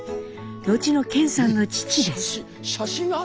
後の顕さんの父です。